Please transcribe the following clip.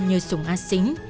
như sùng a xính